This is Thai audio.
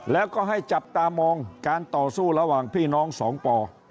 แล้วก็ให้จับตามองการต่อสู้ระหว่างพี่น้องสองป่อ